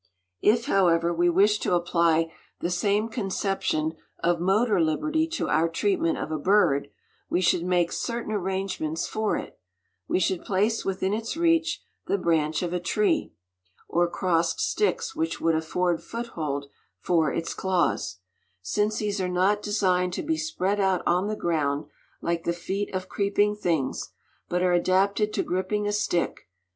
If, however, we wish to apply the same conception of motor liberty to our treatment of a bird, we should make certain arrangements for it; we should place within its reach the branch of a tree, or crossed sticks which would afford foothold for its claws, since these are not designed to be spread out on the ground like the feet of creeping things, but are adapted to gripping a stick.